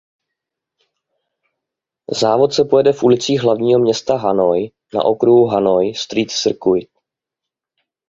Závod se pojede v ulicích hlavního města Hanoj na okruhu Hanoj Street Circuit.